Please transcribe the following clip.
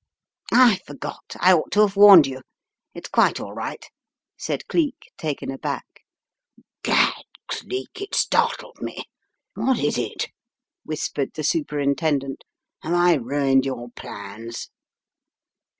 "I forgot; I ought to have warned you — it's quite all right," said Cleek, taken aback. "Gad, Cleek, it startled me. What is it?" whispered the Superintendent. "Have I ruined your plans?"